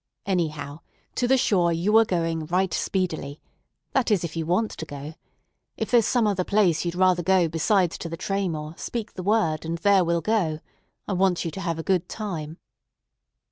Anyhow, to the shore you are going right speedily; that is, if you want to go. If there's some other place you'd rather go besides to the Traymore, speak the word, and there we'll go. I want you to have a good time."